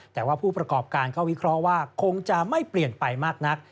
แต่ว่าผู้ประกอบการก็วิเคราะห์ว่าคงจะไม่เปลี่ยนไปมากนัก